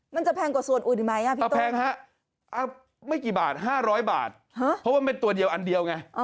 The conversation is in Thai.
มันจะแพงกว่าส่วนอุ่นหรือไม่แพงครับไม่กี่บาท๕๐๐บาทเพราะว่ามันเป็นตัวเดียวอันเดียวไง